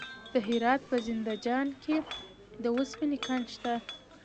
د هرات په زنده جان کې د وسپنې کان شته.